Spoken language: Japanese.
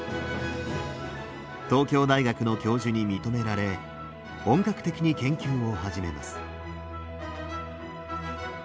東京大学の教授に認められ本格的に研究を始めます。